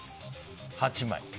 ８枚。